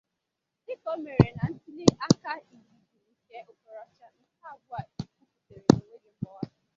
Dịka o mere na ntuli aka izizi nke Okorocha, nke abụọ a kwupụtara na-enweghị mgbagha.